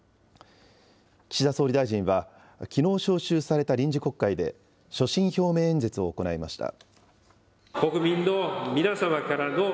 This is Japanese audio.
岸田総理大臣はきのう召集された臨時国会で、所信表明演説を行いました。